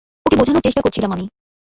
ওকে বোঝানোর চেষ্টা করেছিলাম আমি।